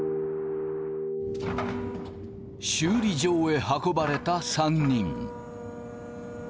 修理場へ運ばれた３人。